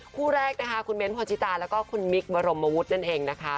คู่แรกนะคะคุณเบ้นพรชิตาแล้วก็คุณมิคบรมวุฒินั่นเองนะคะ